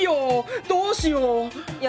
どうしよう。